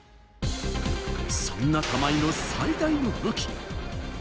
そんな玉井の最大の武器。